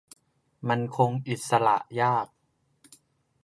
มันคงอิสระยาก